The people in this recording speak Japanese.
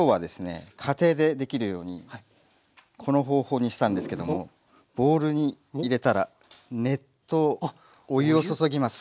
家庭でできるようにこの方法にしたんですけどもボウルに入れたら熱湯お湯を注ぎます。